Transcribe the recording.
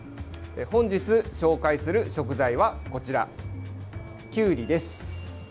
本日、紹介する食材はこちらきゅうりです。